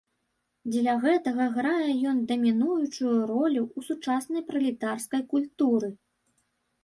Дзеля гэтага грае ён дамінуючую ролю ў сучаснай пралетарскай культуры.